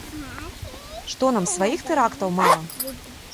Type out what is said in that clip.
Што нам, сваіх тэрактаў мала?